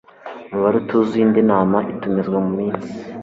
mubare utuzuye indi nama itumizwa mu minsi